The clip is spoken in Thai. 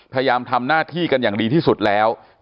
พยายามทำหน้าที่กันอย่างดีที่สุดแล้ว